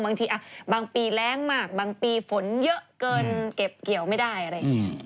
บางทีบางปีแรงมากบางปีฝนเยอะเกินเก็บเกี่ยวไม่ได้อะไรอย่างนี้